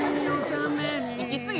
息継ぎ